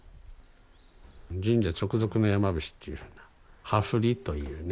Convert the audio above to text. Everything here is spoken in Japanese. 神社直属の山伏というふうな祝部というね